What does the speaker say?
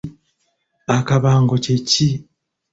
Akabango kye ki?